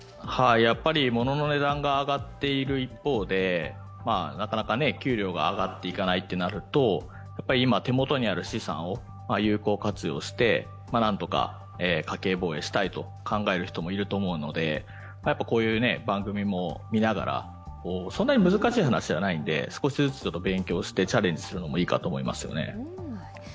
物の値段が上がっている一方でなかなか給料が上がっていかないとなると今、手元にある資産を有効活用してなんとか家計防衛したいというふうに考える人もいると思うのでこういう番組も見ながら、そんなに難しい話じゃないんで少しずつ勉強してチャレンジするのもいいかと思います。